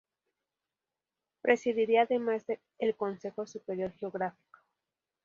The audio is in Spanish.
Presidiría además el Consejo Superior Geográfico.